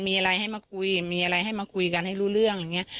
มีอะไรให้มาคุยมีอะไรให้มาคุยกันให้รู้เรื่องอย่างนี้